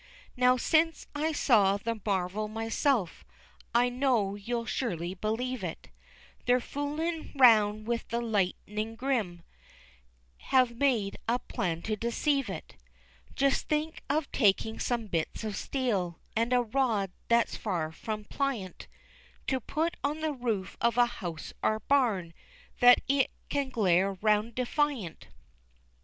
Now, since I saw the marvel myself, I know you'll surely believe it, They're fooling 'round with the lightning grim, Have made a plan to deceive it. Just think of taking some bits of steel, And a rod that's far from pliant, To put on the roof of a house or barn, That it can glare 'round defiant.